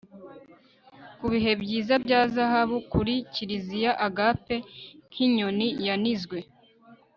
Kubihe byiza bya zahabu kuri kiliziya agape nkinyoni yanizwe